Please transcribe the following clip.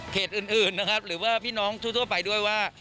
อื่นนะครับหรือว่าพี่น้องทั่วไปด้วยว่า